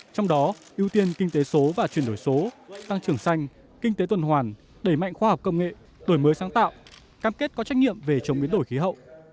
trong đó ưu tiên kinh tế số và chuyển đổi số tăng trưởng xanh kinh tế tuần hoàn đẩy mạnh khoa học công nghệ đổi mới sáng tạo cam kết có trách nhiệm về chống biến đổi khí hậu